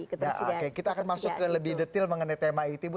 oke kita akan masuk lebih detail mengenai tema itu ibu